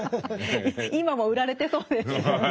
今も売られてそうですよね。